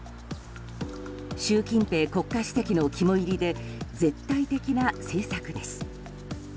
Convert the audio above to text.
習近平国家主席の肝煎りで絶対的な政策です。